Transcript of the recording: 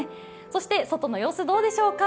そして外の様子どうでしょうか。